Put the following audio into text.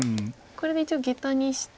これで一応ゲタにして。